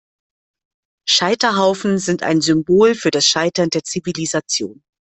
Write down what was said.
Scheiterhaufen sind ein Symbol für das Scheitern der Zivilisation.